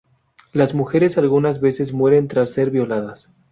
Las mujeres algunas veces mueren tras ser violadas.